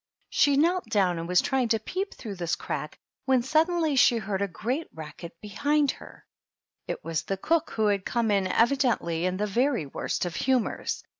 She knelt down and was trying to peep through this crack when suddenly she heard a great racket behind her It was the cook, who had come in evidently in the very worst of humors.